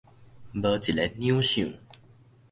無一个兩相